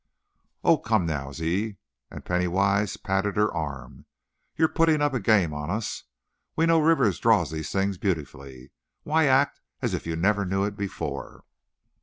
"Oh, come now, Ziz," and Penny Wise patted her arm, "you're putting up a game on us. We know Rivers draws these things beautifully. Why act as if you never knew it before?"